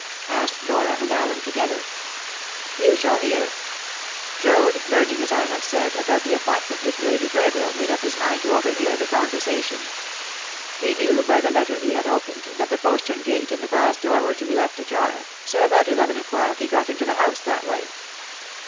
asked Dora and Allen together. "You shall hear. Joad, learning, as I have said, about the appointment with Lady Burville, made up his mind to overhear the conversation. He knew by the letter he had opened that the postern gate and the glass door were to be left ajar, so about eleven o'clock he got into the house that way."